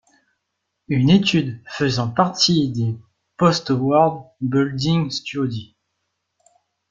Une étude faisant partie des 'Post-War Building Studies'.